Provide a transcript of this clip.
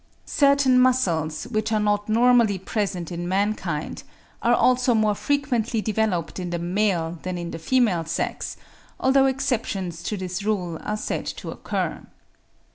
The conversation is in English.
Certain muscles which are not normally present in mankind are also more frequently developed in the male than in the female sex, although exceptions to this rule are said to occur.